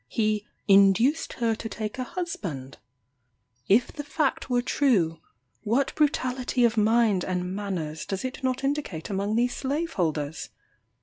He "induced her to take a husband?" If the fact were true, what brutality of mind and manners does it not indicate among these slave holders?